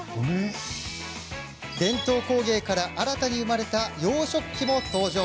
伝統工芸から新たに生まれた洋食器も登場。